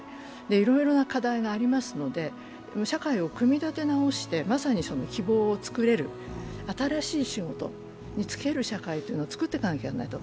いろいろ課題がありますので社会を組み立て直してまさに希望をつくれる、新しい仕事に就ける社会というのをつくっていかなきゃいけないと。